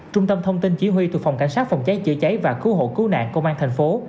trung tâm thông tin chỉ huy thuộc phòng cảnh sát phòng cháy chữa cháy và cứu hộ cứu nạn công an thành phố